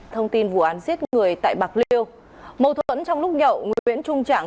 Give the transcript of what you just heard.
thông tin vụ án giết người tại bạc liêu mâu thuẫn trong lúc nhậu nguyễn trung trạng